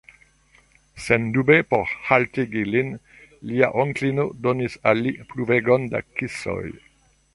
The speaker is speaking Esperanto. Sendube por haltigi lin, lia onklino donis al li pluvegon da kisoj.